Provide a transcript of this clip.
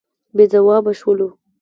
بې ځوابه شولو.